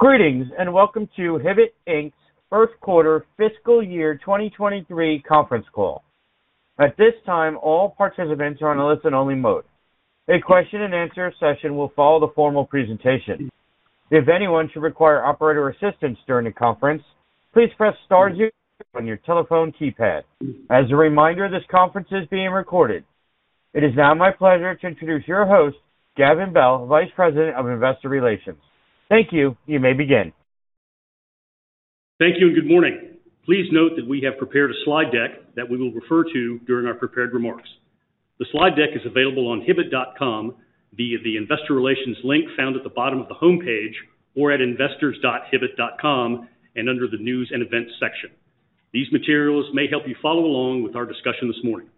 Greetings, and welcome to Hibbett, Inc's first quarter fiscal year 2023 conference call. At this time, all participants are on a listen-only mode. A question-and-answer session will follow the formal presentation. If anyone should require operator assistance during the conference, please press star zero on your telephone keypad. As a reminder, this conference is being recorded. It is now my pleasure to introduce your host, Gavin Bell, Vice President of Investor Relations. Thank you. You may begin. Thank you and good morning. Please note that we have prepared a slide deck that we will refer to during our prepared remarks. The slide deck is available on hibbett.com via the Investor Relations link found at the bottom of the homepage or at investors.hibbett.com and under the News and Events section. These materials may help you follow along with our discussion this morning.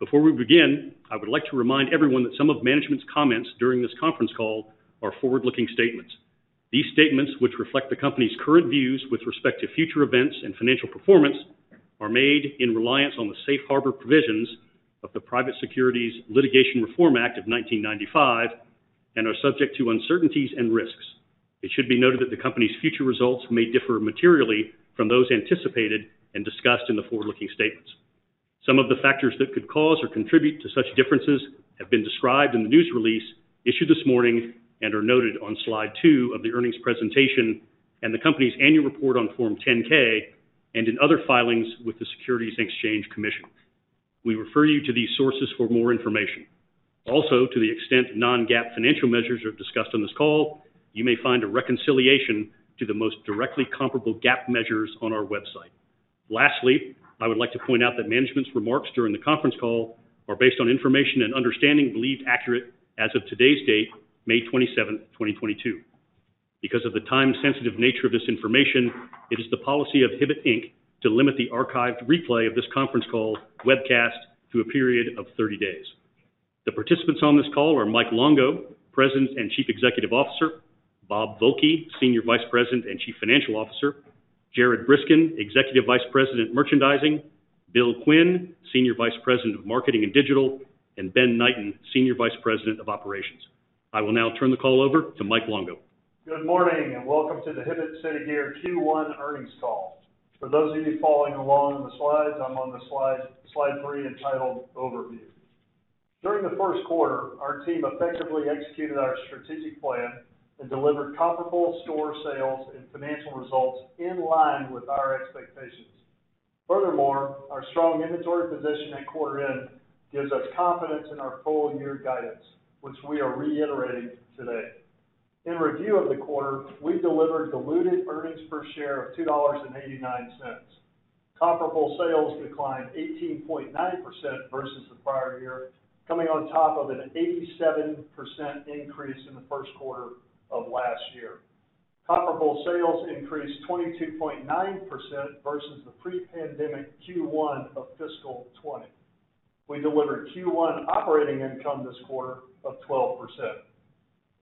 Before we begin, I would like to remind everyone that some of management's comments during this conference call are forward-looking statements. These statements, which reflect the company's current views with respect to future events and financial performance, are made in reliance on the Safe Harbor provisions of the Private Securities Litigation Reform Act of 1995 and are subject to uncertainties and risks. It should be noted that the company's future results may differ materially from those anticipated and discussed in the forward-looking statements. Some of the factors that could cause or contribute to such differences have been described in the news release issued this morning and are noted on slide two of the earnings presentation and the company's annual report on Form 10-K and in other filings with the Securities and Exchange Commission. We refer you to these sources for more information. Also, to the extent non-GAAP financial measures are discussed on this call, you may find a reconciliation to the most directly comparable GAAP measures on our website. Lastly, I would like to point out that management's remarks during the conference call are based on information and understanding believed accurate as of today's date, May 27th, 2022. Because of the time sensitive nature of this information, it is the policy of Hibbett, Inc to limit the archived replay of this conference call webcast to a period of 30 days. The participants on this call are Mike Longo, President and Chief Executive Officer, Bob Volke, Senior Vice President and Chief Financial Officer, Jared Briskin, Executive Vice President, Merchandising, Bill Quinn, Senior Vice President of Marketing and Digital, and Ben Knighten, Senior Vice President of Operations. I will now turn the call over to Mike Longo. Good morning, and welcome to the Hibbett City Gear Q1 earnings call. For those of you following along in the slides, I'm on slide three entitled Overview. During the first quarter, our team effectively executed our strategic plan and delivered comparable store sales and financial results in line with our expectations. Furthermore, our strong inventory position at quarter end gives us confidence in our full year guidance, which we are reiterating today. In review of the quarter, we delivered diluted earnings per share of $2.89. Comparable sales declined 18.9% versus the prior year, coming on top of an 87% increase in the first quarter of last year. Comparable sales increased 22.9% versus the pre-pandemic Q1 of fiscal 2020. We delivered Q1 operating income this quarter of 12%.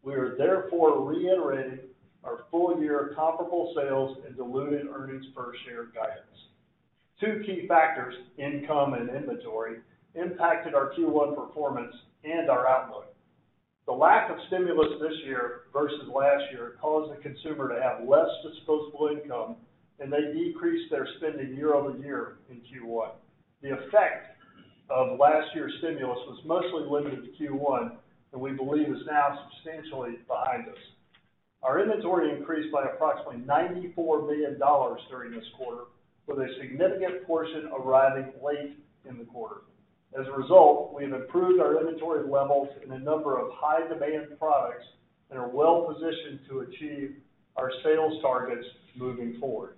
We are therefore reiterating our full year comparable sales and diluted earnings per share guidance. Two key factors, income and inventory, impacted our Q1 performance and our outlook. The lack of stimulus this year versus last year caused the consumer to have less disposable income, and they decreased their spending year-over-year in Q1. The effect of last year's stimulus was mostly limited to Q1, and we believe is now substantially behind us. Our inventory increased by approximately $94 million during this quarter, with a significant portion arriving late in the quarter. As a result, we have improved our inventory levels in a number of high demand products and are well positioned to achieve our sales targets moving forward.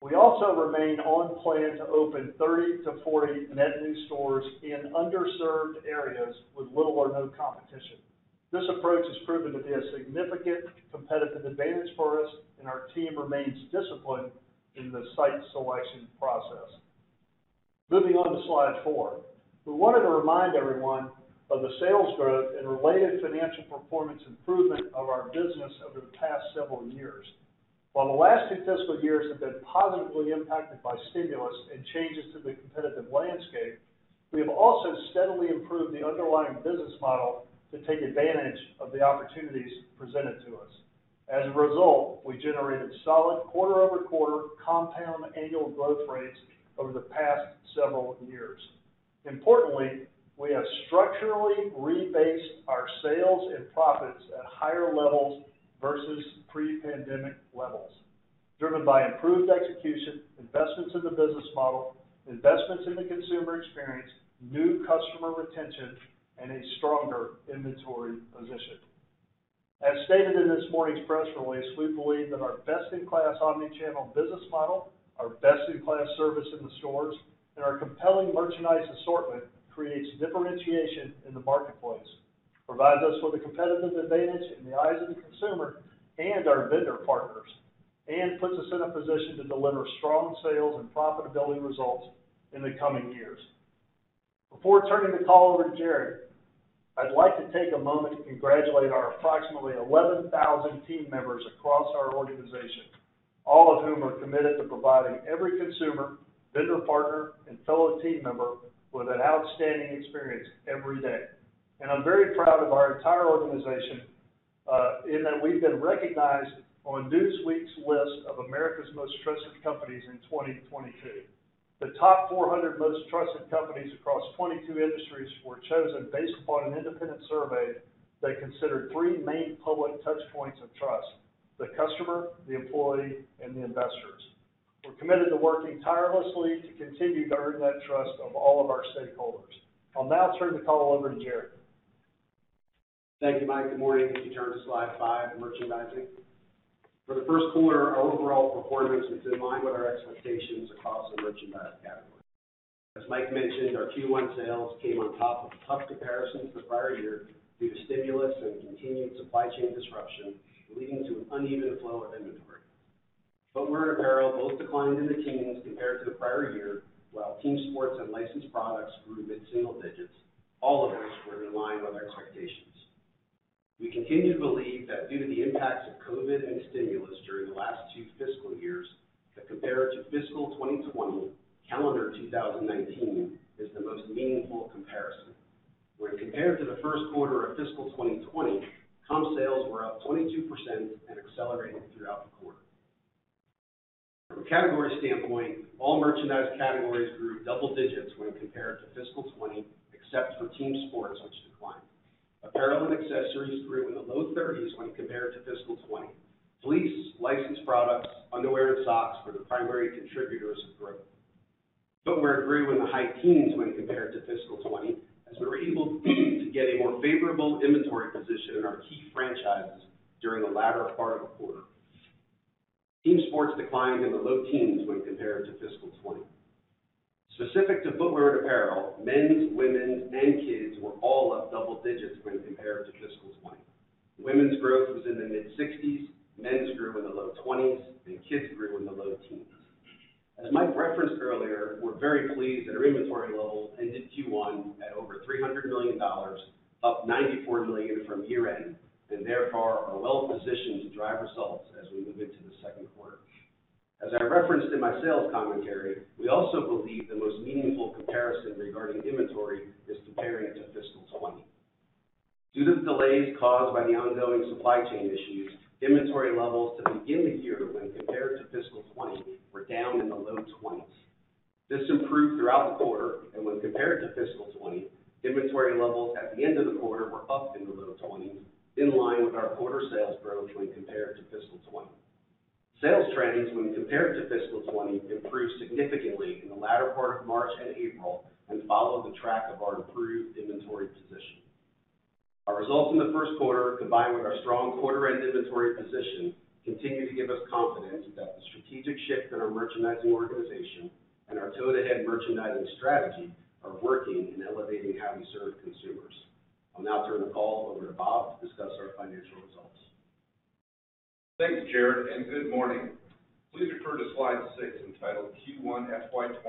We also remain on plan to open 30-40 net new stores in underserved areas with little or no competition. This approach has proven to be a significant competitive advantage for us, and our team remains disciplined in the site selection process. Moving on to slide 4. We wanted to remind everyone of the sales growth and related financial performance improvement of our business over the past several years. While the last two fiscal years have been positively impacted by stimulus and changes to the competitive landscape, we have also steadily improved the underlying business model to take advantage of the opportunities presented to us. As a result, we generated solid quarter-over-quarter compound annual growth rates over the past several years. Importantly, we have structurally rebased our sales and profits at higher levels versus pre-pandemic levels, driven by improved execution, investments in the business model, investments in the consumer experience, new customer retention and a stronger inventory position. As stated in this morning's press release, we believe that our best-in-class omni-channel business model, our best-in-class service in the stores, and our compelling merchandise assortment creates differentiation in the marketplace, provides us with a competitive advantage in the eyes of the consumer and our vendor partners, and puts us in a position to deliver strong sales and profitability results in the coming years. Before turning the call over to Jared, I'd like to take a moment to congratulate our approximately 11,000 team members across our organization. All of whom are committed to providing every consumer, vendor partner, and fellow team member with an outstanding experience every day. I'm very proud of our entire organization in that we've been recognized on Newsweek's list of America's Most Trusted Companies in 2022. The top 400 most trusted companies across 22 industries were chosen based upon an independent survey that considered three main public touch points of trust, the customer, the employee, and the investors. We're committed to working tirelessly to continue to earn that trust of all of our stakeholders. I'll now turn the call over to Jared. Thank you, Mike. Good morning. If you turn to slide five, Merchandising. For the first quarter, our overall performance was in line with our expectations across the merchandise category. As Mike mentioned, our Q1 sales came on top of tough comparisons the prior year due to stimulus and continued supply chain disruption, leading to an uneven flow of inventory. Footwear and apparel both declined in the teens compared to the prior year, while team sports and licensed products grew mid-single digits, all of which were in line with expectations. We continue to believe that due to the impacts of COVID and stimulus during the last two fiscal years, that compared to fiscal 2020, calendar 2019 is the most meaningful comparison. When compared to the first quarter of fiscal 2020, comp sales were up 22% and accelerated throughout the quarter. From a category standpoint, all merchandise categories grew double digits when compared to fiscal 2020, except for team sports, which declined. Apparel and accessories grew in the low 30s when compared to fiscal 2020. Fleece, licensed products, underwear and socks were the primary contributors to growth. Footwear grew in the high teens when compared to fiscal 2020, as we were able to get a more favorable inventory position in our key franchises during the latter part of the quarter. Team sports declined in the low teens when compared to fiscal 2020. Specific to footwear and apparel, men's, women's, and kids were all up double digits when compared to fiscal 2020. Women's growth was in the mid-60s, men's grew in the low 20s, and kids grew in the low teens. As Mike referenced earlier, we're very pleased that our inventory levels ended Q1 at over $300 million, up $94 million from year-end, and therefore are well positioned to drive results as we move into the second quarter. As I referenced in my sales commentary, we also believe the most meaningful comparison regarding inventory is comparing it to fiscal 2020. Due to the delays caused by the ongoing supply chain issues, inventory levels to begin the year when compared to fiscal 2020 were down in the low 20s%. This improved throughout the quarter and when compared to fiscal 2020, inventory levels at the end of the quarter were up in the low 20s%, in line with our quarter sales growth when compared to fiscal 2020. Sales trends when compared to fiscal 2020 improved significantly in the latter part of March and April and followed the track of our improved inventory position. Our results in the first quarter, combined with our strong quarter end inventory position, continue to give us confidence that the strategic shift in our merchandising organization and our toe-to-head merchandising strategy are working in elevating how we serve consumers. I'll now turn the call over to Bob to discuss our financial results. Thanks, Jared, and good morning. Please refer to slide six entitled Q1 FY 2023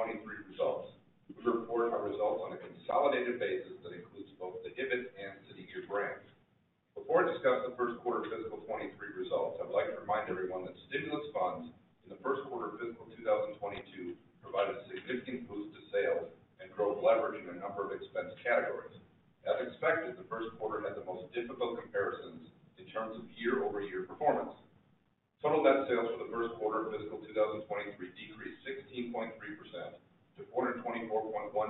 Results. We report our results on a consolidated basis that includes both the Hibbett and City Gear brands. Before I discuss the first quarter fiscal 2023 results, I'd like to remind everyone that stimulus funds in the first quarter of fiscal 2022 provided a significant boost to sales and drove leverage in a number of expense categories. As expected, the first quarter had the most difficult comparisons in terms of year-over-year performance. Total net sales for the first quarter of fiscal 2023 decreased 16.3% to $424.1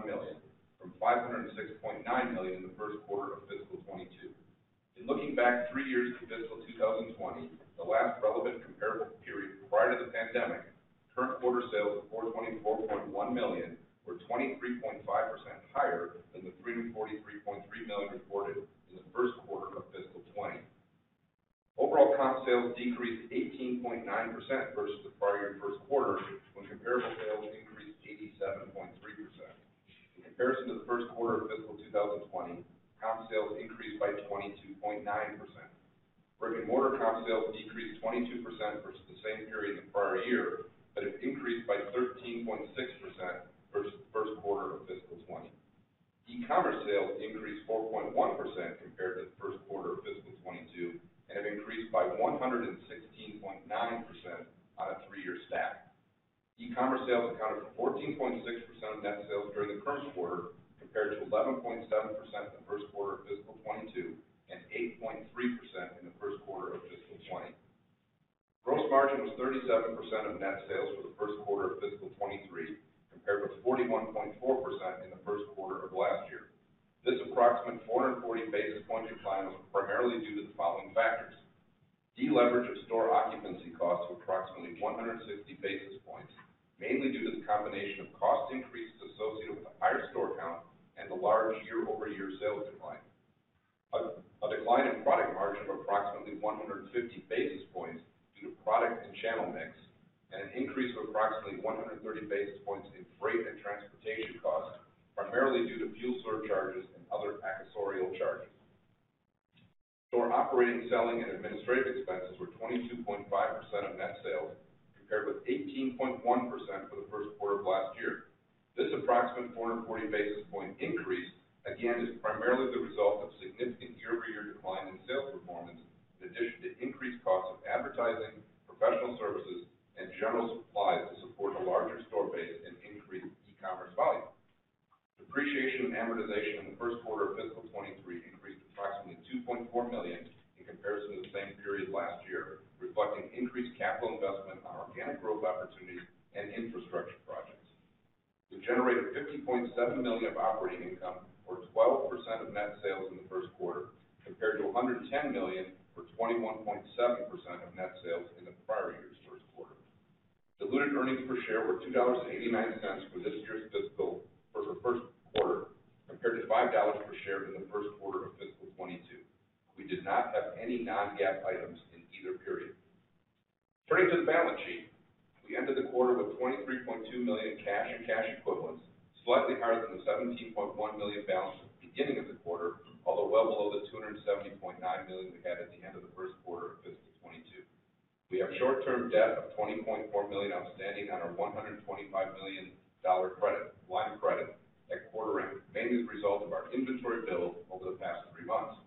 million from $506.9 million in the first quarter of fiscal 2022. In looking back three years to fiscal 2020, the last relevant comparable period prior to the pandemic, current quarter sales of $424.1 million were 23.5% higher than the $343.3 million reported in the first quarter of fiscal 2020. Overall comp sales decreased 18.9% versus the prior year first quarter when comparable sales increased 87.3%. In comparison to the first quarter of fiscal 2020, comp sales increased by 22.9%. Brick-and-mortar comp sales decreased 22% versus the same period the prior year, but have increased by 13.6% versus the first quarter of fiscal 2020. E-commerce sales increased 4.1% compared to the first quarter of fiscal 2022 and have increased by 116.9% on a three-year stack. E-commerce sales accounted for 14.6% of net sales during the current quarter, compared to 11.7% in the first quarter of fiscal 2022 and 8.3% in the first quarter of fiscal 2020. Gross margin was 37% of net sales for the first quarter of fiscal 2023, compared with 41.4% in the first quarter of last year. This approximate 440 basis point decline was primarily due to the following factors, de-leverage of store occupancy costs of approximately 160 basis points, mainly due to the combination of cost increases associated with the higher store count and the large year-over-year sales decline. A decline in product margin of approximately 150 basis points due to product and channel mix, and an increase of approximately 130 basis points in freight and transportation costs, primarily due to fuel surcharges and other accessorial charges. Store operating, selling, and administrative expenses were 22.5% of net sales, compared with 18.1% for the first quarter of last year. This approximate 440 basis point increase, again, is primarily the result of significant year-over-year decline in sales performance, in addition to increased costs of advertising, professional services, and general supplies to support a larger store base and increased e-commerce volume. Depreciation and amortization in the first quarter of fiscal 2023 increased approximately $2.4 million in comparison to the same period last year, reflecting increased capital investment on organic growth opportunities and infrastructure projects. We generated $50.7 million of operating income, or 12% of net sales in the first quarter, compared to $110 million, or 21.7% of net sales in the prior year's first quarter. Diluted earnings per share were $2.89 for the first quarter, compared to $5 per share in the first quarter of fiscal 2022. We did not have any non-GAAP items in either period. Turning to the balance sheet, we ended the quarter with $23.2 million in cash and cash equivalents, slightly higher than the $17.1 million balance at the beginning of the quarter, although well below the $270.9 million we had at the end of the first quarter of fiscal 2022. We have short-term debt of $20.4 million outstanding on our $125 million credit line of credit at quarter end, mainly as a result of our inventory build over the past three months.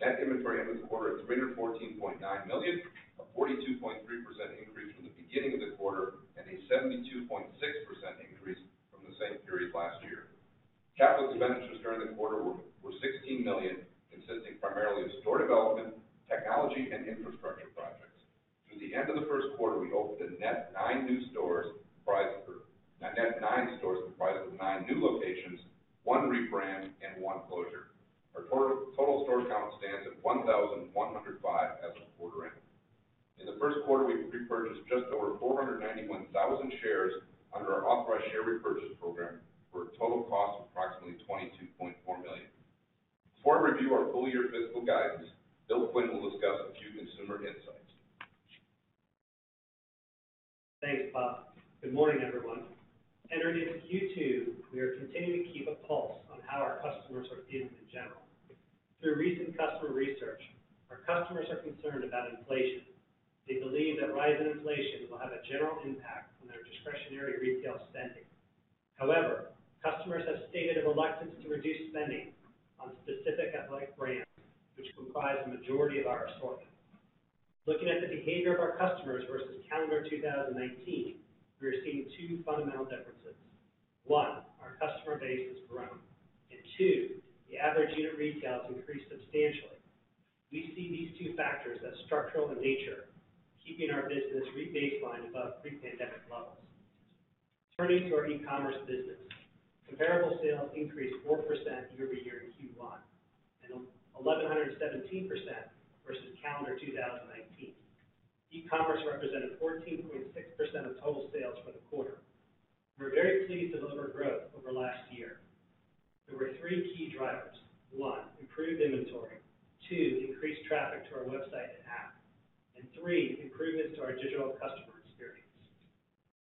Net inventory end of the quarter is $314.9 million, a 42.3% increase from the beginning of the quarter, and a 72.6% increase from the same period last year. Capital expenditures during the quarter were sixteen million, consisting primarily of store development, technology, and infrastructure projects. Through the end of the first quarter, we opened a net nine new stores comprised of nine new locations, one rebrand, and one closure. Our total store count stands at 1,105 as of quarter end. In the first quarter, we repurchased just over 491,000 shares under our authorized share repurchase program for a total cost of approximately $22.4 million. Before I review our full-year fiscal guidance, Bill Quinn will discuss a few consumer insights. Thanks, Bob. Good morning, everyone. Entering into Q2, we are continuing to keep a pulse on how our customers are feeling in general. Through recent customer research, our customers are concerned about inflation. They believe that rise in inflation will have a general impact on their discretionary retail spending. However, customers have stated a reluctance to reduce spending on specific athletic brands, which comprise the majority of our assortment. Looking at the behavior of our customers versus calendar 2019, we are seeing two fundamental differences. One, our customer base has grown. Two, the average unit retail has increased substantially. We see these two factors as structural in nature, keeping our business re-baselined above pre-pandemic levels. Turning to our e-commerce business. Comparable sales increased 4% year-over-year in Q1, and 1,117% versus calendar 2019. E-commerce represented 14.6% of total sales for the quarter. We're very pleased with digital growth over last year. There were three key drivers. One, improved inventory, two, increased traffic to our website and app, and three, improvements to our digital customer experience.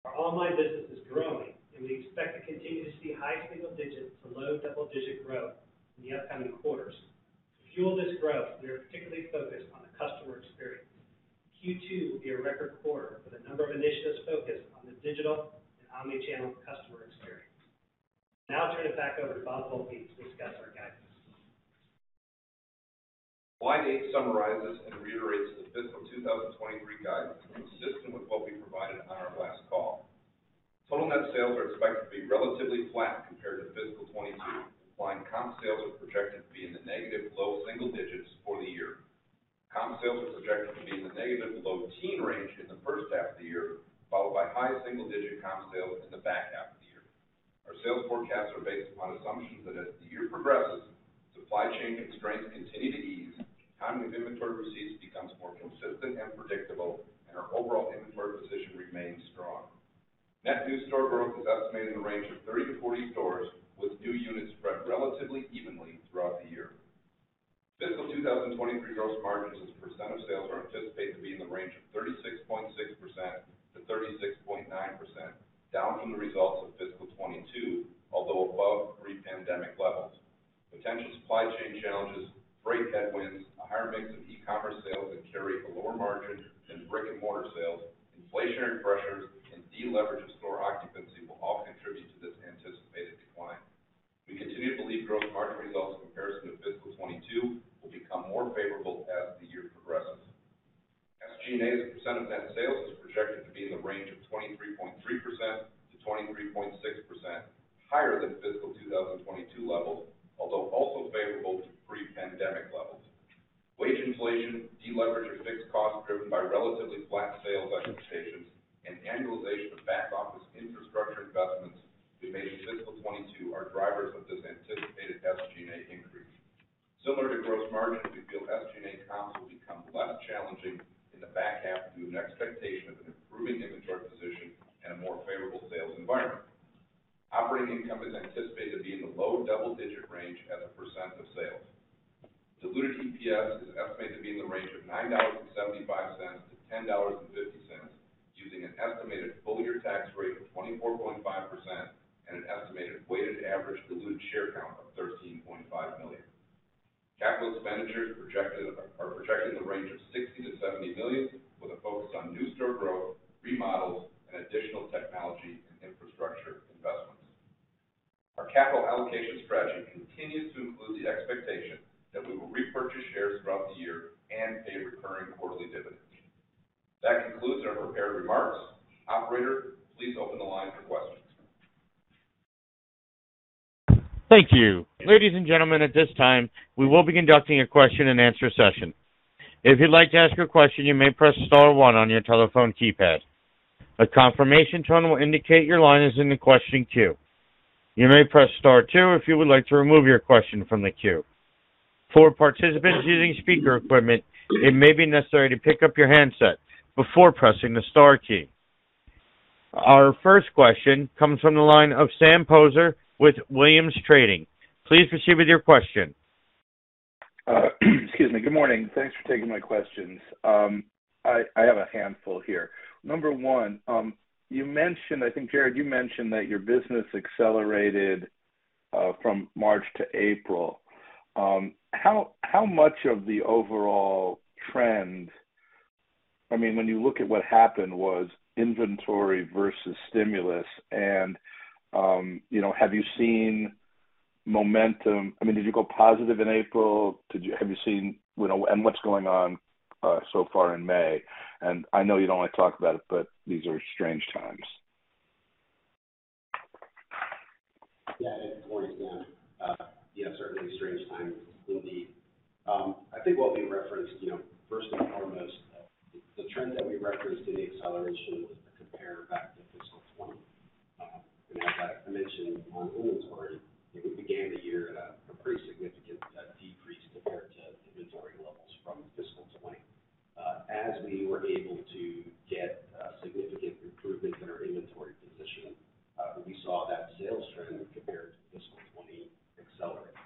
Our online business is growing, and we expect to continue to see high single digit to low double-digit growth in the upcoming quarters. To fuel this growth, we are particularly focused on the customer experience. Q2 will be a record quarter with a number of initiatives focused on the digital and omni-channel customer experience. Now I'll turn it back over to Bob Volke to discuss our guidance. Slide 8 summarizes and reiterates the fiscal 2023 guidance consistent with what we provided on our last call. Total net sales are expected to be relatively flat compared to fiscal 2022. Combined comp sales are projected to be in the negative low-single-digits for the year. Comp sales are projected to be in the negative low-teens range in the first half of the year, followed by high single-digit comp sales in the back half of the year. Our sales forecasts are based upon assumptions that as the year progresses, supply chain constraints continue to ease, timing of inventory receipts becomes more consistent and predictable, and our overall inventory position remains strong. Net new store growth is estimated in the range of 30-40 stores, with new units spread relatively evenly throughout the year. Fiscal 2023 gross margins as a percent of sales are anticipated to be in the range of 36.6%-36.9%, down from the results of fiscal 2022, although above pre-pandemic levels. Potential supply chain challenges, freight headwinds, a higher mix of e-commerce sales that carry a lower margin than brick-and-mortar sales, inflationary pressures, and deleverage of store occupancy will all contribute to this anticipated decline. We continue to believe gross margin results in comparison to fiscal 2022 will become more favorable as the year progresses. SG&A as a percent of net sales is projected to be in the range of 23.3%-23.6%, higher than fiscal 2022 levels, although also favorable to pre-pandemic levels. Wage inflation, deleverage of fixed costs driven by relatively flat sales expectations, and annualization of back-office infrastructure investments we made in fiscal 2022 are drivers of this anticipated SG&A increase. Similar to gross margin, we feel SG&A comps will become less challenging in the back half due to an expectation of an improving inventory position and a more favorable sales environment. Operating income is anticipated to be in the low double-digit range as a % of sales. Diluted EPS is estimated to be in the range of $9.75-$10.50, using an estimated full-year tax rate of 24.5% and an estimated weighted average diluted share count of 13.5 million. Capital expenditures are projected in the range of $60 million-$70 million, with a focus on new store growth, remodels, and additional technology and infrastructure investments. Our capital allocation strategy continues to include the expectation that we will repurchase shares throughout the year and pay recurring quarterly dividends. That concludes our prepared remarks. Operator, please open the line for questions. Thank you. Ladies and gentlemen, at this time, we will be conducting a question-and-answer session. If you'd like to ask a question, you may press star one on your telephone keypad. A confirmation tone will indicate your line is in the questioning queue. You may press star two if you would like to remove your question from the queue. For participants using speaker equipment, it may be necessary to pick up your handset before pressing the star key. Our first question comes from the line of Sam Poser with Williams Trading. Please proceed with your question. Excuse me. Good morning. Thanks for taking my questions. I have a handful here. Number one, you mentioned, I think, Jared, you mentioned that your business accelerated from March to April. How much of the overall trend? I mean, when you look at what happened with inventory versus stimulus and, you know, have you seen momentum? I mean, did you go positive in April? Have you seen, you know, and what's going on so far in May? I know you don't want to talk about it, but these are strange times. Yeah. Good morning, Sam. Yeah, certainly strange times indeed. I think what we referenced, you know, first and foremost, the trend that we referenced in the acceleration was a compare back to fiscal 2020. As I mentioned on inventory, we began the year at a pretty significant decrease compared to inventory levels from fiscal 2020. As we were able to get significant improvements in our inventory position, we saw that sales trend compared to fiscal 2020 accelerate.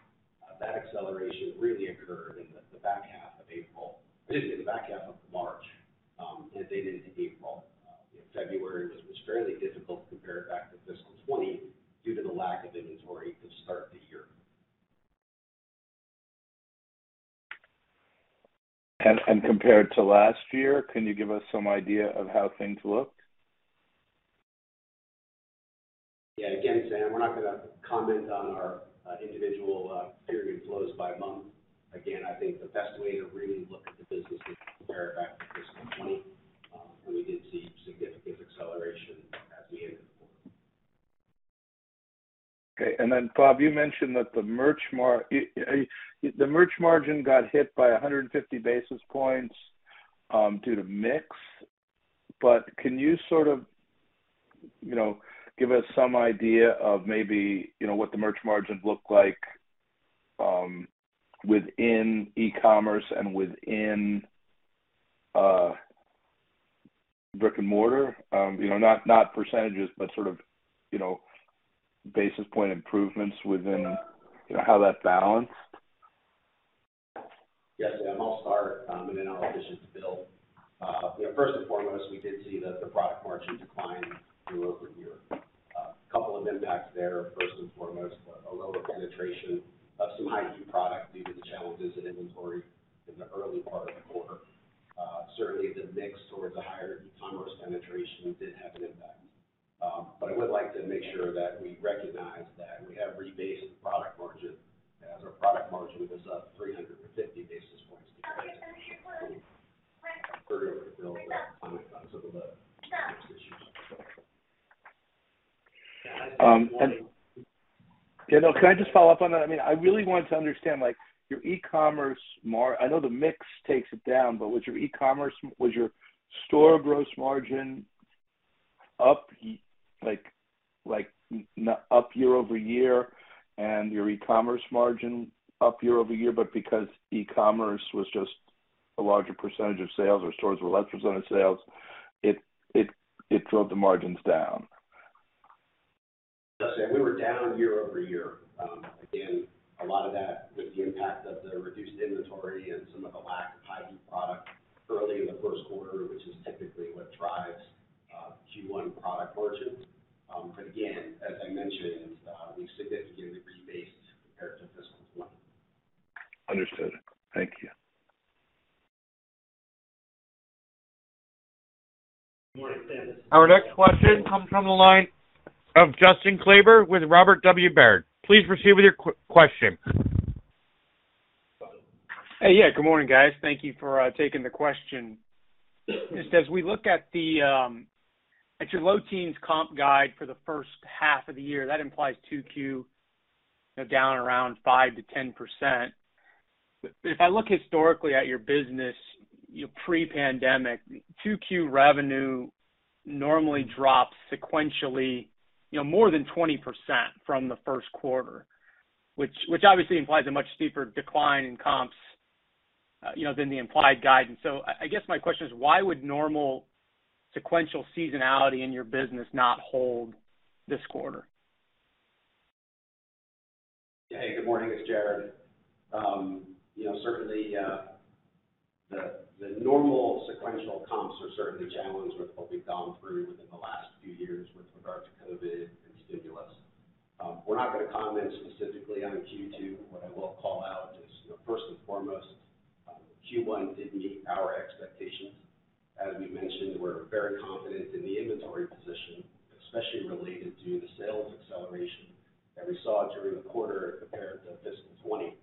That acceleration really occurred in the back half of April, excuse me, the back half of March, and into April. February was fairly difficult to compare back to fiscal 2020 due to the lack of inventory to start the year. Compared to last year, can you give us some idea of how things looked? Yeah. Again, Sam, we're not gonna comment on our individual period flows by month. Again, I think the best way to really look at the business is compare it back to fiscal 2020, where we did see significant acceleration as we entered the quarter. Okay. Bob, you mentioned that the merch margin got hit by 150 basis points due to mix. Can you sort of, you know, give us some idea of maybe, you know, what the merch margins look like within e-commerce and within brick-and-mortar? You know, not percentages, but sort of, you know, basis point improvements within, you know, how that balanced. Yes, Sam. I'll start, and then I'll ask Bill. You know, first and foremost, we did see the product margin decline year-over-year. Couple of impacts there. First and foremost, a lower penetration of some high-yield product due to the challenges in inventory in the early part of the quarter. Certainly the mix towards a higher e-commerce penetration did have an impact. But I would like to make sure that we recognize that we have rebased the product margin as our product margin was up 350 basis points compared to fiscal 2020. I'll defer to Bill to comment on some of the mix issues. Can I just follow up on that? I mean, I really want to understand, like, your e-commerce. I know the mix takes it down, but was your store gross margin up, like, up year-over-year and your e-commerce margin up year-over-year, but because e-commerce was just a larger percentage of sales or stores were a less percent of sales, it drove the margins down? Yes, we were down year-over-year. Again, a lot of that with the impact of the reduced inventory and some of the lack of high heat product early in the first quarter, which is typically what drives Q1 product margins. Again, as I mentioned, we significantly rebased compared to fiscal 2020. Understood. Thank you. Good morning, Sam. Our next question comes from the line of Justin Kleber with Robert W. Baird. Please proceed with your question. Hey. Yeah, good morning, guys. Thank you for taking the question. Just as we look at your low teens comp guide for the first half of the year, that implies 2Q down around 5%-10%. If I look historically at your business, your pre-pandemic, 2Q revenue normally drops sequentially, you know, more than 20% from the first quarter, which obviously implies a much steeper decline in comps, you know, than the implied guidance. I guess my question is why would normal sequential seasonality in your business not hold this quarter? Hey, good morning. It's Jared. You know, certainly, The normal sequential comps are certainly challenged with what we've gone through within the last few years with regard to COVID and stimulus. We're not gonna comment specifically on Q2. What I will call out is, you know, first and foremost, Q1 did meet our expectations. As we mentioned, we're very confident in the inventory position, especially related to the sales acceleration that we saw during the quarter compared to fiscal 2020,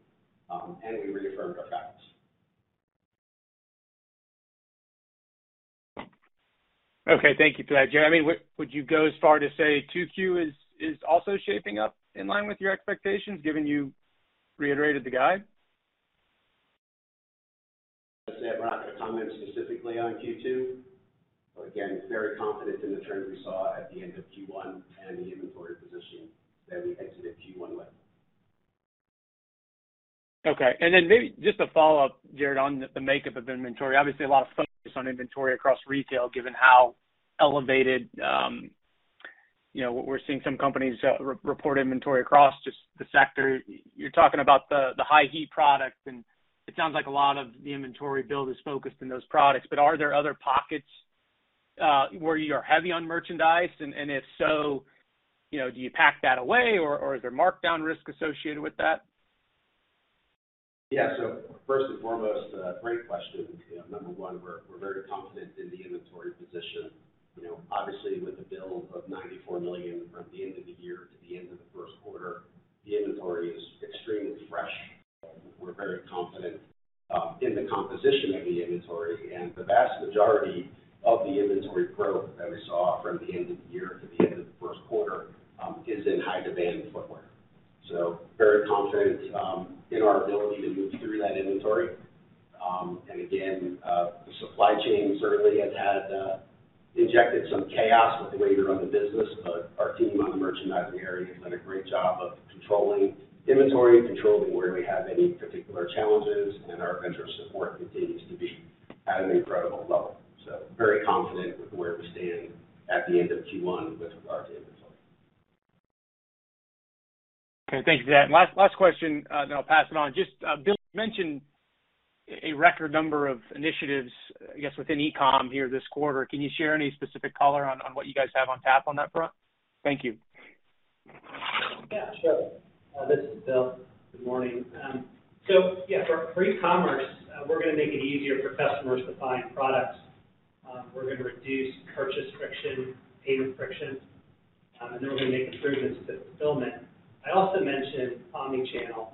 and we reaffirmed our guidance. Okay. Thank you for that, Jared. I mean, would you go as far to say 2Q is also shaping up in line with your expectations given you reiterated the guide? As I said, we're not gonna comment specifically on Q2. Again, very confident in the trends we saw at the end of Q1 and the inventory position that we exited Q1 with. Okay. Maybe just a follow-up, Jared, on the makeup of inventory. Obviously, a lot of focus on inventory across retail, given how elevated, you know, we're seeing some companies, re-report inventory across just the sector. You're talking about the high heat products, and it sounds like a lot of the inventory build is focused in those products. But are there other pockets, where you are heavy on merchandise? And if so, you know, do you pack that away, or is there markdown risk associated with that? Yeah. First and foremost, great question. You know, number one, we're very confident in the inventory position. You know, obviously, with the build of $94 million from the end of the year to the end of the first quarter, the inventory is extremely fresh. We're very confident in the composition of the inventory, and the vast majority of the inventory growth that we saw from the end of the year to the end of the first quarter is in high demand footwear. Very confident in our ability to move through that inventory. Again, the supply chain certainly has had injected some chaos with the way to run the business, but our team on the merchandising area has done a great job of controlling inventory, controlling where we have any particular challenges, and our vendor support continues to be at an incredible level. Very confident with where we stand at the end of Q1 with regard to inventory. Okay. Thank you for that. Last question, then I'll pass it on. Just, Bill, you mentioned a record number of initiatives, I guess, within e-com here this quarter. Can you share any specific color on what you guys have on tap on that front? Thank you. Yeah, sure. This is Bill. Good morning. Yeah, for e-commerce, we're gonna make it easier for customers to find products. We're gonna reduce purchase friction, payment friction, and then we're gonna make improvements to fulfillment. I also mentioned omni-channel,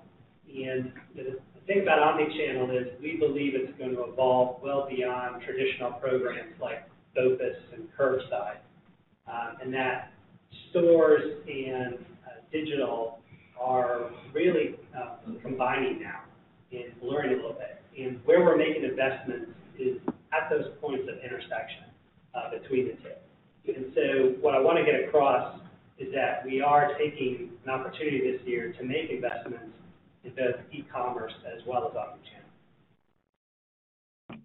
and the thing about omni-channel is we believe it's gonna evolve well beyond traditional programs like BOPUS and curbside, and that stores and digital are really combining now and blurring a little bit. Where we're making investments is at those points of intersection between the two. What I wanna get across is that we are taking an opportunity this year to make investments in both e-commerce as well as omni-channel.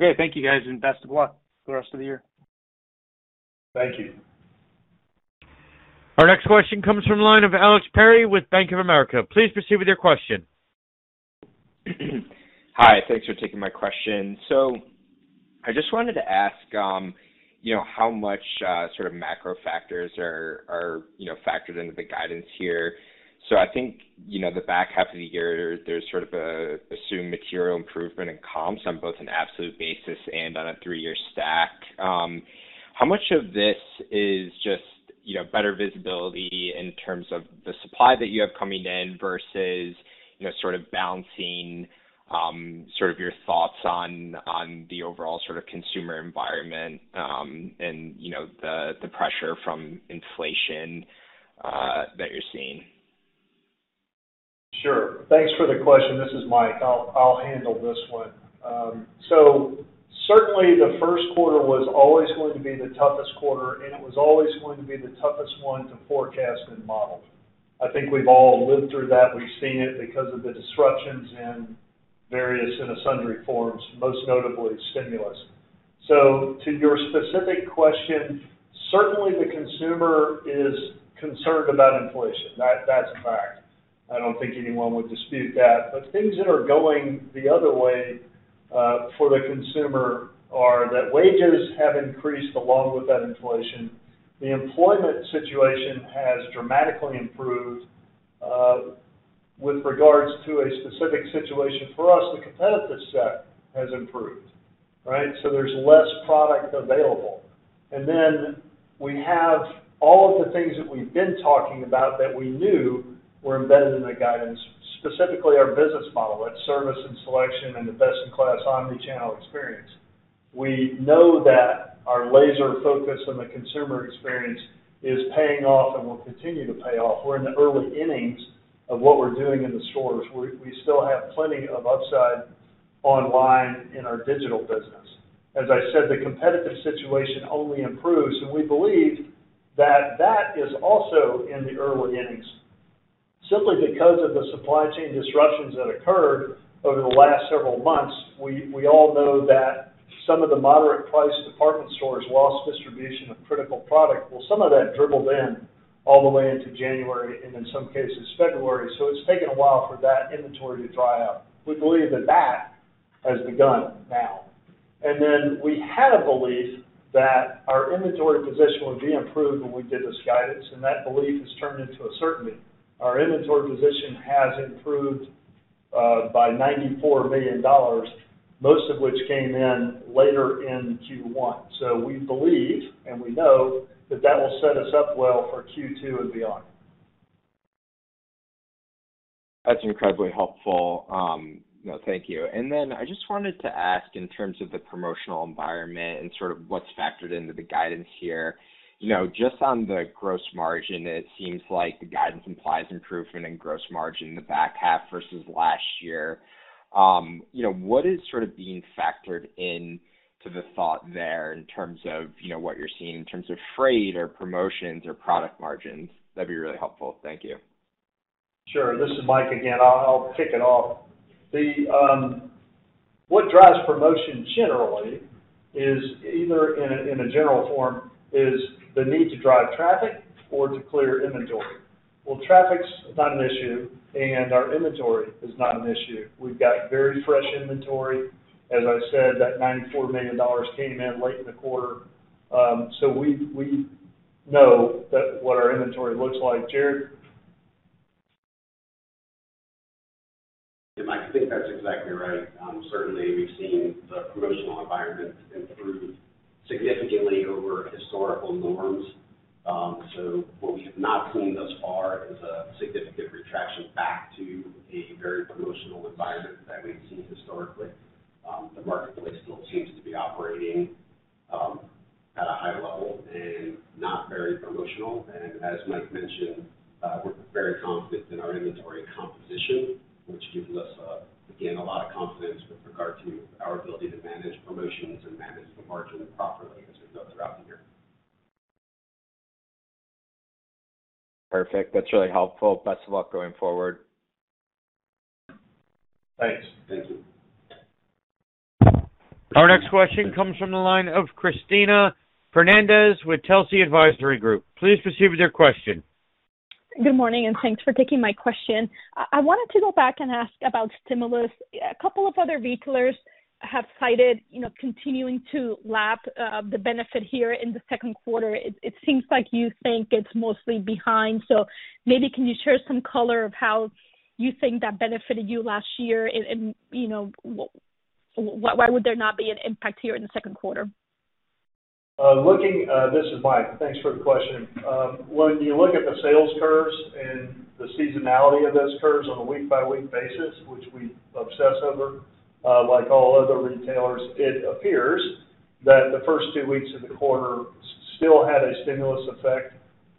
Okay. Thank you, guys, and best of luck for the rest of the year. Thank you. Our next question comes from the line of Alex Perry with Bank of America. Please proceed with your question. Hi. Thanks for taking my question. I just wanted to ask, you know, how much, sort of macro factors are, you know, factored into the guidance here. I think, you know, the back half of the year, there's sort of a assumed material improvement in comps on both an absolute basis and on a three-year stack. How much of this is just, you know, better visibility in terms of the supply that you have coming in versus, you know, sort of balancing, sort of your thoughts on the overall sort of consumer environment, and, you know, the pressure from inflation that you're seeing? Sure. Thanks for the question. This is Mike. I'll handle this one. Certainly the first quarter was always going to be the toughest quarter, and it was always going to be the toughest one to forecast and model. I think we've all lived through that. We've seen it because of the disruptions in various and sundry forms, most notably stimulus. To your specific question, certainly the consumer is concerned about inflation. That's a fact. I don't think anyone would dispute that. But things that are going the other way, for the consumer are that wages have increased along with that inflation. The employment situation has dramatically improved. With regards to a specific situation for us, the competitive set has improved, right? So there's less product available. We have all of the things that we've been talking about that we knew were embedded in the guidance, specifically our business model. That's service and selection and the best-in-class omni-channel experience. We know that our laser focus on the consumer experience is paying off and will continue to pay off. We're in the early innings of what we're doing in the stores. We still have plenty of upside online in our digital business. As I said, the competitive situation only improves, and we believe that is also in the early innings. Simply because of the supply chain disruptions that occurred over the last several months, we all know that some of the moderately priced department stores lost distribution of critical product. Well, some of that dribbled in all the way into January and in some cases February. It's taken a while for that inventory to dry out. We believe that that has begun now. We had a belief that our inventory position would be improved when we did this guidance, and that belief has turned into a certainty. Our inventory position has improved by $94 million, most of which came in later in Q1. We believe and we know that that will set us up well for Q2 and beyond. That's incredibly helpful. Thank you. Then I just wanted to ask in terms of the promotional environment and sort of what's factored into the guidance here. You know, just on the gross margin, it seems like the guidance implies improvement in gross margin in the back half versus last year. You know, what is sort of being factored in to the thought there in terms of, you know, what you're seeing in terms of freight or promotions or product margins? That'd be really helpful. Thank you. Sure. This is Mike again. I'll kick it off. What drives promotion generally is the need to drive traffic or to clear inventory. Well, traffic's not an issue and our inventory is not an issue. We've got very fresh inventory. As I said, that $94 million came in late in the quarter. So we know what our inventory looks like. Jared? Mike, I think that's exactly right. Certainly, we've seen the promotional environment improve significantly over historical norms. What we have not seen thus far is a significant retraction back to a very promotional environment that we've seen historically. The marketplace still seems to be operating at a high level and not very promotional. As Mike mentioned, we're very confident in our inventory composition, which gives us, again, a lot of confidence with regard to our ability to manage promotions and manage the margin properly as we go throughout the year. Perfect. That's really helpful. Best of luck going forward. Thanks. Thank you. Our next question comes from the line of Cristina Fernández with Telsey Advisory Group. Please proceed with your question. Good morning, and thanks for taking my question. I wanted to go back and ask about stimulus. A couple of other retailers have cited, you know, continuing to lap the benefit here in the second quarter. It seems like you think it's mostly behind. Maybe can you share some color of how you think that benefited you last year and, you know, why would there not be an impact here in the second quarter? This is Mike. Thanks for the question. When you look at the sales curves and the seasonality of those curves on a week-by-week basis, which we obsess over, like all other retailers, it appears that the first two weeks of the quarter still had a stimulus effect,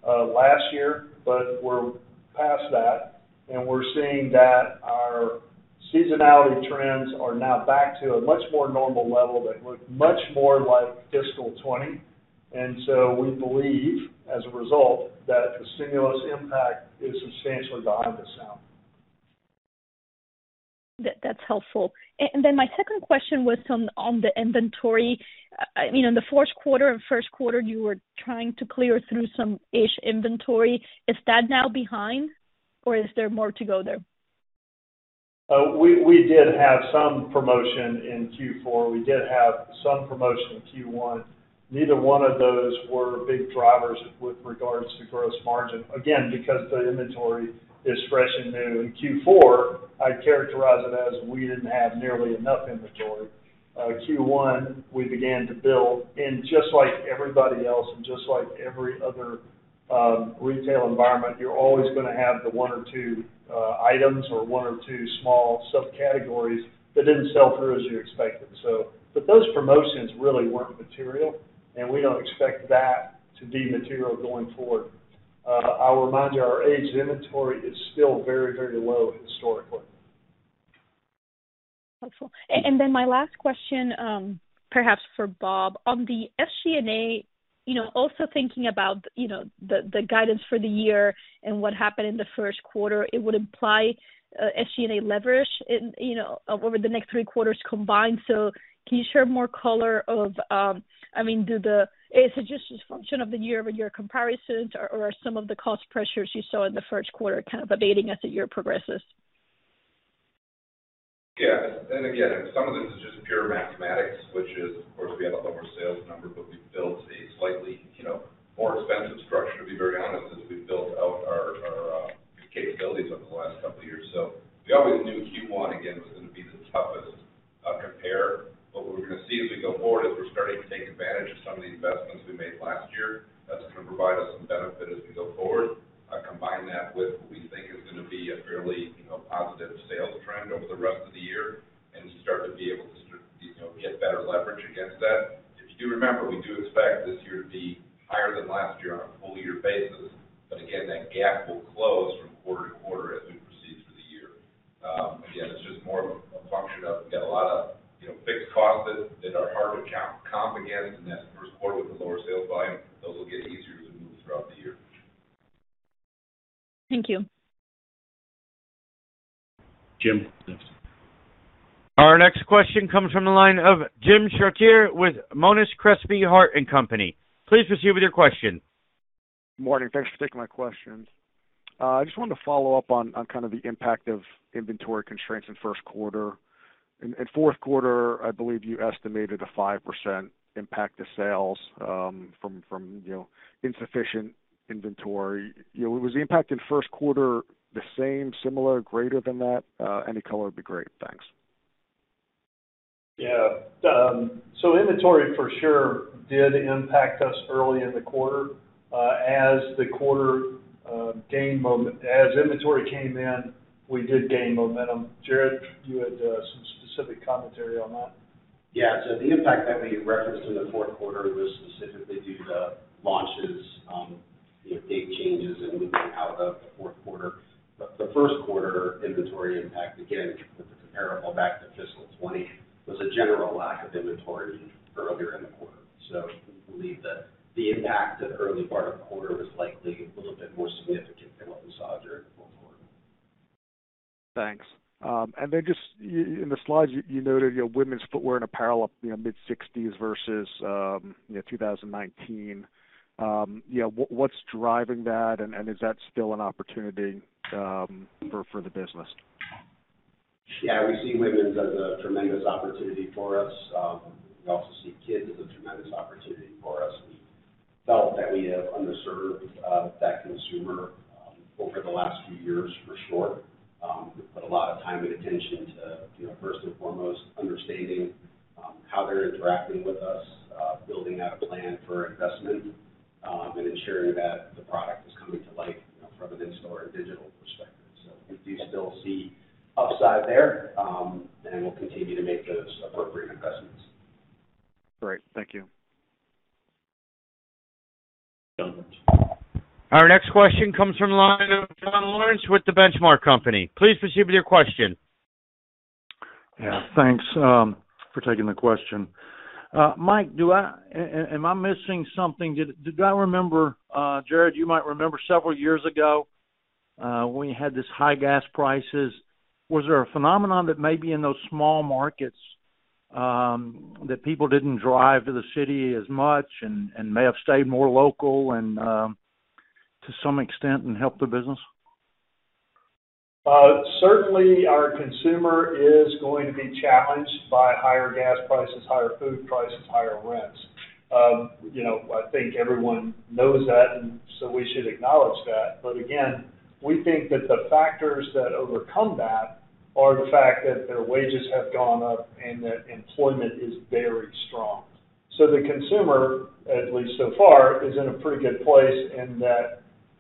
last year. We're past that, and we're seeing that our seasonality trends are now back to a much more normal level that look much more like fiscal 2020. We believe, as a result, that the stimulus impact is substantially behind us now. That's helpful. My second question was on the inventory. You know, in the fourth quarter and first quarter, you were trying to clear through some aged inventory. Is that now behind or is there more to go there? We did have some promotion in Q4. We did have some promotion in Q1. Neither one of those were big drivers with regards to gross margin. Again, because the inventory is fresh and new. In Q4, I characterize it as we didn't have nearly enough inventory. Q1, we began to build. Just like everybody else and just like every other retail environment, you're always gonna have the one or two items or one or two small subcategories that didn't sell through as you expected. But those promotions really weren't material, and we don't expect that to be material going forward. I'll remind you, our aged inventory is still very, very low historically. Helpful. Then my last question, perhaps for Bob. On the SG&A, you know, also thinking about, you know, the guidance for the year and what happened in the first quarter, it would imply SG&A leverage in, you know, over the next three quarters combined. Can you share more color on, I mean, is it just a function of the year-over-year comparisons or are some of the cost pressures you saw in the first quarter kind of abating as the year progresses? Yeah. Again, some of this is just pure mathematics, which is, of course, we have a lower sales number, but we've built a slightly, you know, more expensive structure, to be very honest, as we've built out our capabilities over the last couple of years. We always knew Q1 was gonna be the toughest compare. What we're gonna see as we go forward is we're starting to take advantage of some of the investments we made last year. That's gonna provide us some benefit as we go forward. Combine that with what we think is gonna be a fairly, you know, positive sales trend over the rest of the year and start to be able to, you know, get better leverage against that. If you do remember, we do expect this year to be higher than last year on a full year basis. Again, that gap will close from quarter to quarter as we proceed through the year. Again, it's just more of a function of we've got a lot of, you know, fixed costs that are hard to comp against in this first quarter with the lower sales volume. Those will get easier to comp throughout the year. Thank you. Jim, yes. Our next question comes from the line of Jim Chartier with Monness, Crespi, Hardt & Co. Please proceed with your question. Morning. Thanks for taking my questions. I just wanted to follow up on kind of the impact of inventory constraints in first quarter. In fourth quarter, I believe you estimated a 5% impact to sales from you know, insufficient inventory. You know, was the impact in first quarter the same, similar, greater than that? Any color would be great. Thanks. Yeah. Inventory for sure did impact us early in the quarter. As inventory came in, we did gain momentum. Jared, you had some specific commentary on that. Yeah. The impact that we referenced in the fourth quarter was specifically due to launches, you know, big changes in movement out of the fourth quarter. The first quarter inventory impact, again, comparable back to fiscal 2020, was a general lack of inventory earlier in the quarter. We believe that the impact of the early part of the quarter was likely a little bit more significant than what we saw during the fourth quarter. Thanks. Then just in the slides, you noted, you know, women's footwear and apparel up, you know, mid-60s% versus 2019. You know, what's driving that and is that still an opportunity for the business? Yeah, we see women's as a tremendous opportunity for us. We also see kids as a tremendous opportunity for us. We felt that we have underserved that consumer over the last few years for sure. We've put a lot of time and attention to, you know, first and foremost, understanding how they're interacting with us, building out a plan for investment, and ensuring that the product is coming to life, you know, from an in-store and digital perspective. We do still see upside there, and we'll continue to make those appropriate investments. Great. Thank you. John. Our next question comes from the line of John Lawrence with The Benchmark Company. Please proceed with your question. Yeah. Thanks for taking the question. Mike, am I missing something? Did I remember, Jared, you might remember several years ago, when you had this high gas prices, was there a phenomenon that maybe in those small markets, that people didn't drive to the city as much and may have stayed more local and to some extent helped the business? Certainly our consumer is going to be challenged by higher gas prices, higher food prices, higher rents. You know, I think everyone knows that, and so we should acknowledge that. Again, we think that the factors that overcome that are the fact that their wages have gone up and that employment is very strong. The consumer, at least so far, is in a pretty good place in that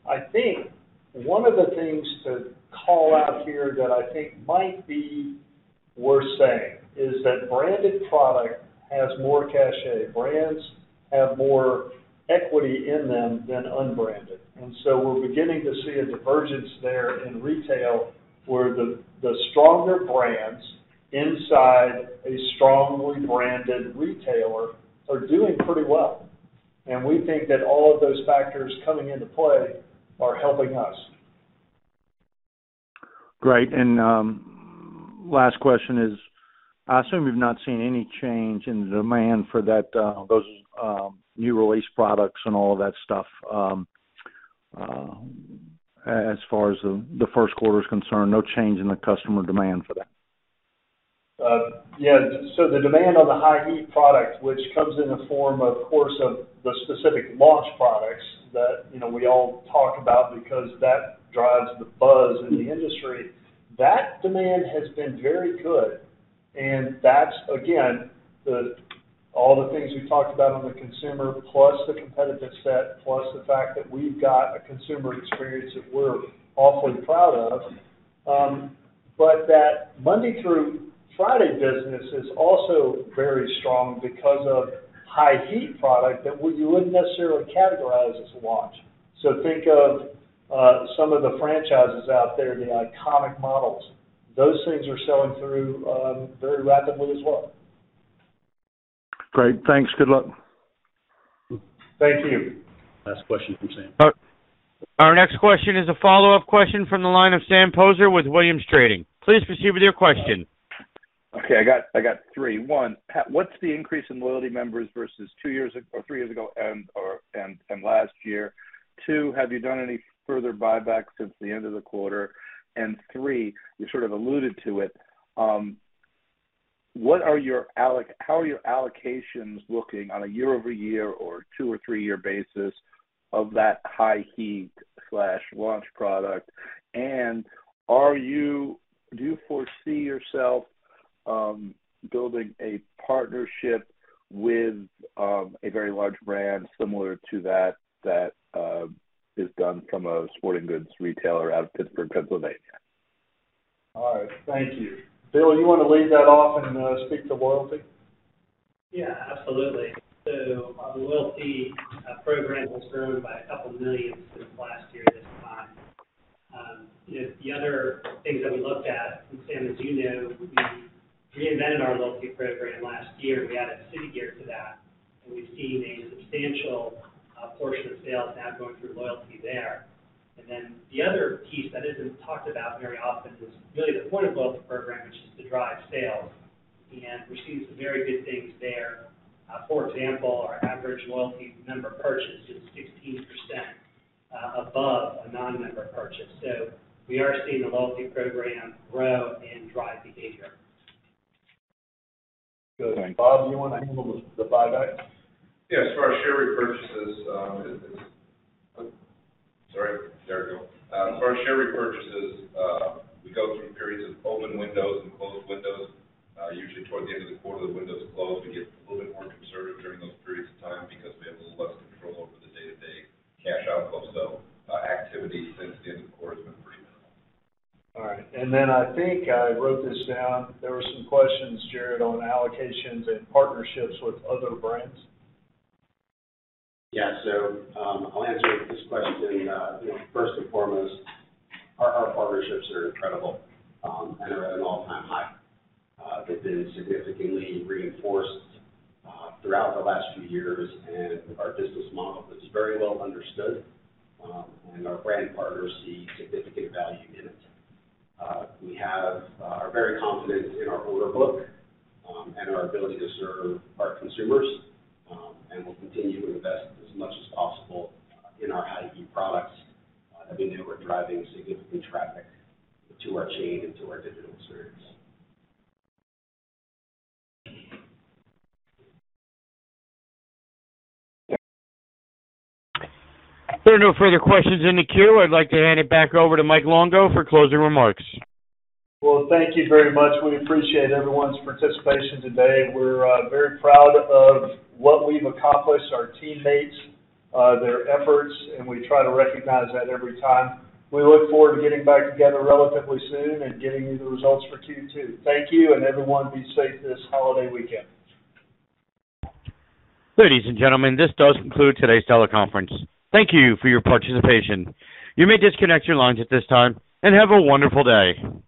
I think one of the things to call out here that I think might be worth saying is that branded product has more cachet. Brands have more equity in them than unbranded. We're beginning to see a divergence there in retail where the stronger brands inside a strongly branded retailer are doing pretty well. We think that all of those factors coming into play are helping us. Great. Last question is, I assume you've not seen any change in demand for that, those new release products and all of that stuff, as far as the first quarter is concerned, no change in the customer demand for that? The demand on the high heat product, which comes in the form, of course, of the specific launch products that, you know, we all talk about because that drives the buzz in the industry, that demand has been very good. That's again, all the things we talked about on the consumer plus the competitive set, plus the fact that we've got a consumer experience that we're awfully proud of. That Monday through Friday business is also very strong because of high heat product you wouldn't necessarily categorize as a launch. Think of some of the franchises out there, the iconic models. Those things are selling through very rapidly as well. Great. Thanks. Good luck. Thank you. Last question from Sam. Our next question is a follow-up question from the line of Sam Poser with Williams Trading. Please proceed with your question. Okay. I got three. One, what's the increase in loyalty members versus two years or three years ago and/or and last year? Two, have you done any further buybacks since the end of the quarter? Three, you sort of alluded to it, how are your allocations looking on a year-over-year or two- or three-year basis of that high heat launch product? Do you foresee yourself building a partnership with a very large brand similar to that that is done from a sporting goods retailer out of Pittsburgh, Pennsylvania? All right. Thank you. Bill, you want to lead that off and, speak to loyalty? Yeah, absolutely. Our loyalty program has grown by a couple million since last year at this time. You know, the other things that we looked at. Sam, as you know, we reinvented our loyalty program last year. We added City Gear to that. We've seen a substantial portion of sales now going through loyalty there. Then the other piece that isn't talked about very often is really the point of loyalty program, which is to drive sales. We're seeing some very good things there. For example, our average loyalty member purchase is 16% above a non-member purchase. We are seeing the loyalty program grow and drive behavior. Good. Bob, do you wanna handle the buyback? Yeah. As far as share repurchases, we go through periods of open windows and closed windows. Usually toward the end of the quarter, the windows close. We get a little bit more conservative during those periods of time because we have a little less control over the day-to-day cash out close out activity since the end of the quarter has been pretty minimal. All right. I think I wrote this down. There were some questions, Jared, on allocations and partnerships with other brands. Yeah. I'll answer this question. You know, first and foremost, our partnerships are incredible and are at an all-time high. They've been significantly reinforced throughout the last few years, and our business model is very well understood, and our brand partners see significant value in it. We are very confident in our order book and our ability to serve our consumers. We'll continue to invest as much as possible in our high heat products that we know are driving significant traffic to our chain and to our digital experience. There are no further questions in the queue. I'd like to hand it back over to Mike Longo for closing remarks. Well, thank you very much. We appreciate everyone's participation today. We're very proud of what we've accomplished, our teammates, their efforts, and we try to recognize that every time. We look forward to getting back together relatively soon and getting you the results for Q2. Thank you, and everyone be safe this holiday weekend. Ladies and gentlemen, this does conclude today's teleconference. Thank you for your participation. You may disconnect your lines at this time, and have a wonderful day.